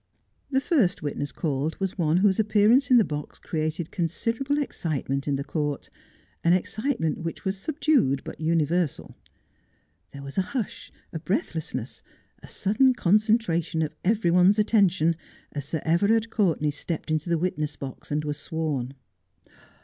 The first witness called was one whose appearance in the box created considerable excitement in the court, an excitement which was subdued but universal. There was a hush, a breathlessness, a sudden concentration of every one's attention as Sir Everard C'ourtenay stepped into the witness box and was sworn.